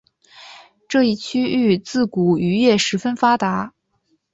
这一区域自古渔业十分发达。